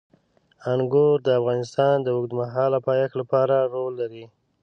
انګور د افغانستان د اوږدمهاله پایښت لپاره رول لري.